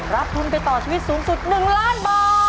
รับทุนไปต่อชีวิตสูงสุด๑ล้านบาท